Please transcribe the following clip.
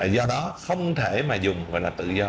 do đó không thể mà dùng gọi là tự do